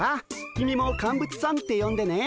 君もカンブツさんってよんでね。